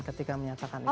ketika menyatakan itu